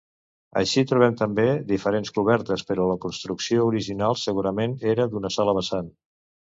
Així trobem també diferents cobertes, però la construcció original segurament era d'una sola vessant.